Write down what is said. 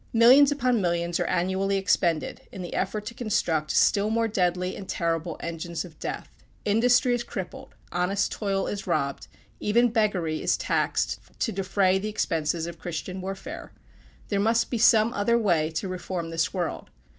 Millions upon millions are annually expended in the effort to construct still more deadly and terrible engines of death. Industry is crippled, honest toil is robbed, and even beggary is taxed to defray the expenses of Christian warfare. There must be some other way to reform this world.